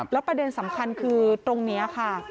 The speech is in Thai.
แล้วประเด็นสำคัญคือตรงนี้ค่ะ